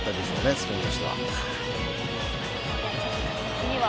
スペインとしては。